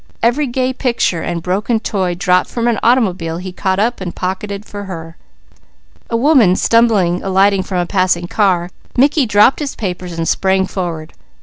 Every gay picture or broken toy dropped from an automobile he caught up and pocketed for her. A woman stumbled alighting from a passing car. Mickey dropped his papers and sprang forward.